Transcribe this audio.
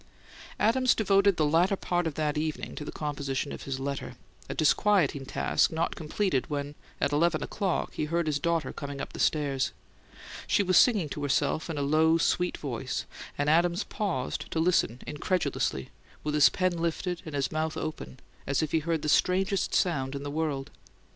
Adams devoted the latter part of that evening to the composition of his letter a disquieting task not completed when, at eleven o'clock, he heard his daughter coming up the stairs. She was singing to herself in a low, sweet voice, and Adams paused to listen incredulously, with his pen lifted and his mouth open, as if he heard the strangest sound in the world.